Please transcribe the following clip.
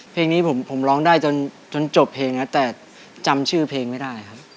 เพลงนี้ผมร้องได้จนจบเพลงแล้วแต่จำชื่อเพลงไม่ได้ครับ